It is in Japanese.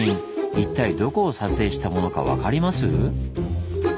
一体どこを撮影したものか分かります？